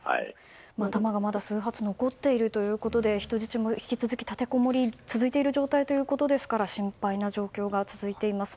弾がまだ数発残っているということで人質も引き続き立てこもりが続いているという状態ということですから心配な状況が続いています。